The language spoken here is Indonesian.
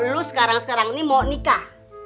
lu sekarang sekarang ini mau nikah